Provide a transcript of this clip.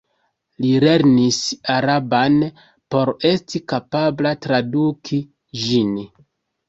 Li lernis araban por esti kapabla traduki ĝin.